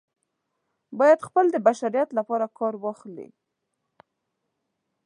باید چې د بشریت لپاره کار واخلي.